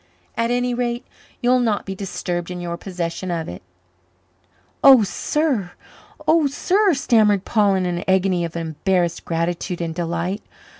At any rate, you'll not be disturbed in your possession of it." "Oh, sir! oh, sir!" stammered Paul in an agony of embarrassed gratitude and delight.